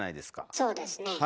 そうですね。